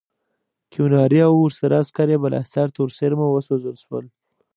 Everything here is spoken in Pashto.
کیوناري او ورسره عسکر یې بالاحصار ته ورڅېرمه وسوځول شول.